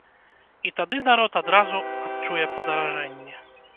І тады народ адразу адчуе падаражэнні.